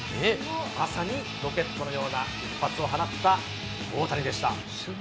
まさにロケットのような一発を放った大谷でした。